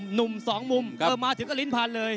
๒หนุ่น๒มุ่นถ้าเกิดมาถึงก็ลิ้นผ่านเลย